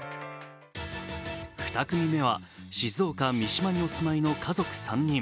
２組目は静岡・三島にお住まいの家族３人。